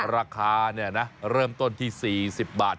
ราคาเริ่มต้นที่๔๐บาท